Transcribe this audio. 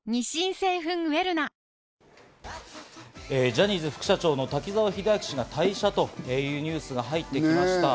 ジャニーズ副社長の滝沢秀明氏が退社というニュースが入ってきました。